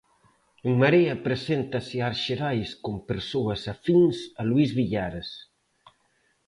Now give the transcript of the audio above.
En Marea preséntase ás xerais con persoas afíns a Luís Villares.